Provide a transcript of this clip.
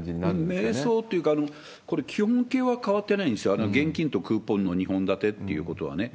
迷走というか、これ、基本形は変わってないんですよ、現金とクーポンの２本立てということはね。